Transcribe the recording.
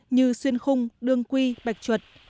như xuyên khung đương quy bạch chuột